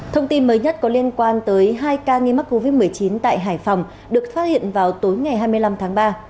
thông tin mới nhất có liên quan tới hai ca nghi mắc covid một mươi chín tại hải phòng được phát hiện vào tối ngày hai mươi năm tháng ba